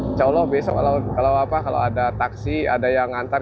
insya allah besok kalau ada taksi ada yang ngantar